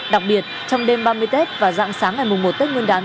đặc biệt trong đêm ba mươi tết và dạng sáng ngày mùng một tết nguyên đán